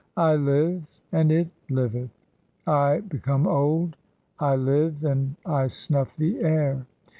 I live ; and it liveth ; (4) I become old, "I live, and I snuff the air.